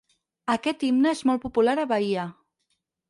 Aquest himne és molt popular a Bahia.